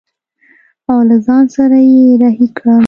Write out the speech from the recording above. او له ځان سره يې رهي کړم.